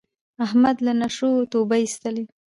احمد له نشو توبه ایستله.